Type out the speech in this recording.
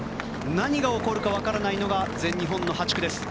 何が起こるかわからないのが全日本の８区です。